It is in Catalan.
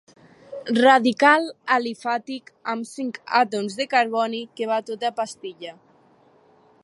Radical alifàtic amb cinc àtoms de carboni que va a tota pastilla.